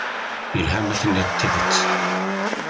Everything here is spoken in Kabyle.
Yelha ma tenniḍ-d tidet.